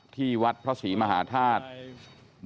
ที่วัดพระศรีมหาธาตุ